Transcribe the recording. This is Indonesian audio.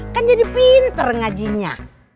kan jadi pinter ngajinya